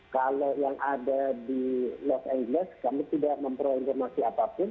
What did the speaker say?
kalau yang ada di los angeles kami tidak memperoleh informasi apapun